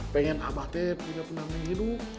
pengen abah t punya penamping hidup